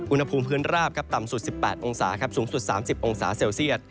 อุณหภูมิพื้นราบต่ำสุด๑๘องศาสูงสุด๓๐องศาเซลเซียต